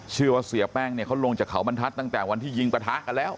เชื่อว่าเสียแป้งเขาลงจากเขาบรรทัศน์ตั้งแต่วันที่ยิงประทะกันแล้ว